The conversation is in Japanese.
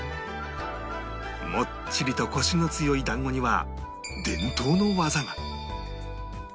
もっちりとコシの強い団子には伝統の技が